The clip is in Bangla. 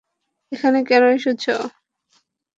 এখানে কেন এসেছো?